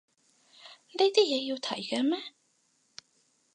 呢啲嘢要提嘅咩